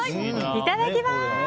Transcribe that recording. いただきます！